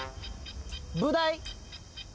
ブダイ。